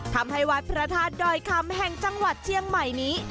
ทำให้วัดพระธาตุดอยคำแห่งจังหวัดเชียงใหม่นี้